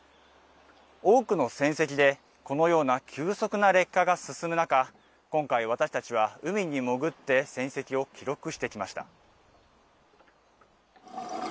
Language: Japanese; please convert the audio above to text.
多くの戦跡でこのような急速な劣化が進む中、今回、私たちは海に潜って戦跡を記録してきました。